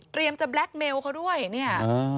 เตรียมจะแบล็ดเมลเขาด้วยเนี่ย